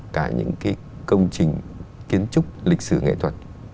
cả những cái công trình kiến trúc lịch sử nghệ thuật